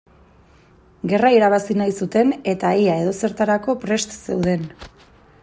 Gerra irabazi nahi zuten eta ia edozertarako prest zeuden.